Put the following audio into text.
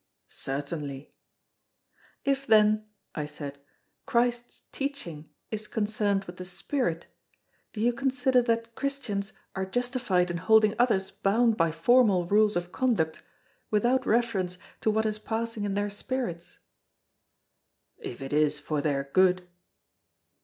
"Certainly." "If, then," I said, "Christ's teaching is concerned with the spirit, do you consider that Christians are justified in holding others bound by formal rules of conduct, without reference to what is passing in their spirits?" "If it is for their good."